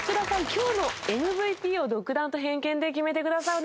今日のＭＶＰを独断と偏見で決めてください。